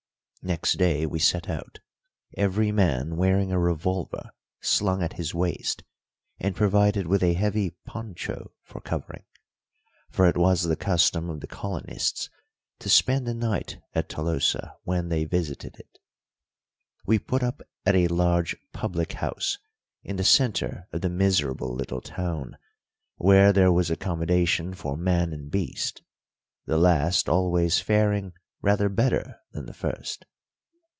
Next day we set out, every man wearing a revolver slung at his waist, and provided with a heavy poncho for covering; for it was the custom of the colonists to spend the night at Tolosa when they visited it. We put up at a large public house in the centre of the miserable little town, where there was accommodation for man and beast, the last always faring rather better than the first.